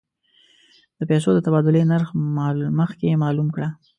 د پیسو د تبادلې نرخ مخکې معلوم کړه.